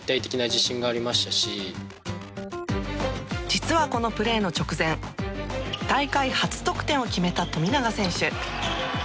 実はこのプレーの直前大会初得点を決めた富永選手。